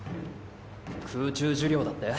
空中受領だって？